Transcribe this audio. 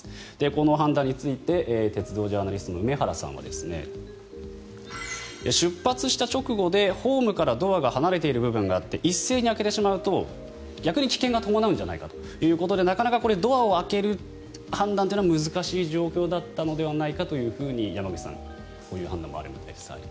この判断について鉄道ジャーナリストの梅原さんは出発した直後でホームからドアが離れている部分があって一斉に開けてしまうと逆に危険が伴うんじゃないかということでなかなかこれドアを開ける判断は難しい状況だったのではないかというふうに山口さん、こういう判断もあるみたいですが。